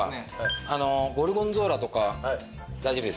ゴルゴンゾーラとか大丈夫ですか？